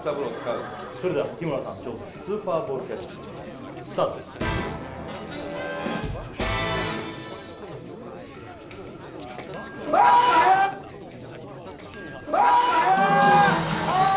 それでは日村さんの挑戦スーパーボールキャッチスタートですＯＫあーっ！ＯＫあーっ！